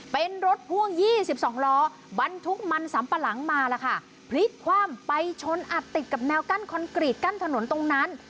เป็นรถพ่วง๒๒ล้อบรรทุกมันสัมปะหลังมาแล้วค่ะพลิกคว่ำไปชนอัดติดกับแนวกั้นคอนกรีตกั้นถนนตรงนั้น